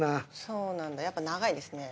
そうなんだやっぱ長いですね。